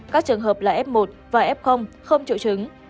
các trường hợp là f một và f không trụ trứng